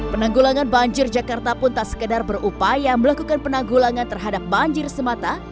penanggulangan banjir jakarta pun tak sekedar berupaya melakukan penanggulangan terhadap banjir semata